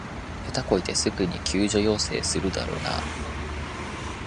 下手こいてすぐに救助要請するんだろうなあ